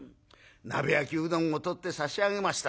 鍋焼きうどんを取って差し上げました。